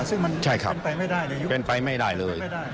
ซึ่งมันเป็นไปไม่ได้ในยุคเป็นไปไม่ได้เลย